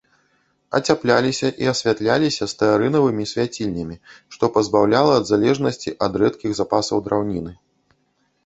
Ацяпляліся і асвятляліся стэарынавымі свяцільнямі, што пазбаўляла ад залежнасці ад рэдкіх запасаў драўніны.